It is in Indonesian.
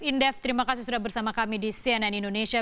indef terima kasih sudah bersama kami di cnn indonesia